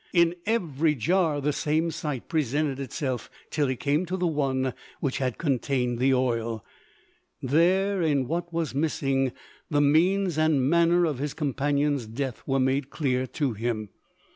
In every jar the same sight presented itself till he came to the one which had contained the oil. There, in what was missing, the means and manner of his companions' death were made clear to him.